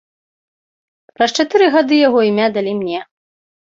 Праз чатыры гады яго імя далі мне.